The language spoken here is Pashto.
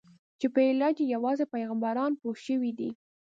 چې په علاج یې یوازې پیغمبران پوه شوي دي.